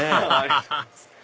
ハハハ！